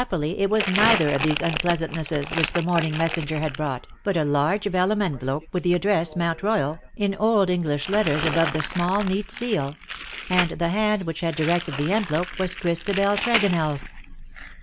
Happily it was neither of these unpleasantnesses which the morning messenger had brought, but a large vellum envelope^ with the address, Mount Koyal^ in old English letters above the small neat seal : and the hand which had directed the envelope was Christabel TregonelFs.